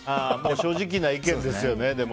正直な意見ですよね。